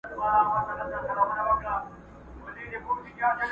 پر زولنو یې دي لیکلي لېونۍ سندري!!